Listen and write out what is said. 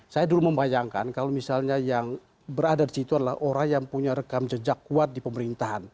saya dulu membayangkan kalau misalnya yang berada di situ adalah orang yang punya rekam jejak kuat di pemerintahan